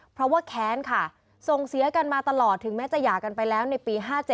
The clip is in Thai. เพราะว่าแค้นค่ะส่งเสียกันมาตลอดถึงแม้จะหย่ากันไปแล้วในปี๕๗